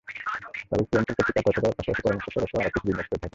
তবে কুয়েনসেল পত্রিকা তথ্য দেওয়ার পাশাপাশি পরামর্শসেবাসহ আরও কিছু ব্যবসা করে থাকে।